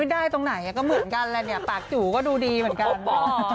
ไม่ได้ตรงไหนไม่งั้นก็เหมือนกันปากจูก็ดูดีเหมือนกัน